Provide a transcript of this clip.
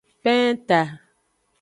Penta.